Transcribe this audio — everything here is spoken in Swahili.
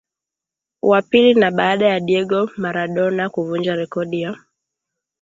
Wa pili na baada ya Diego Maradona kuvunja rekodi ya